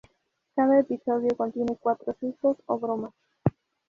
Cada episodio contiene cuatro sustos o bromas.